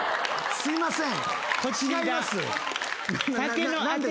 すいません。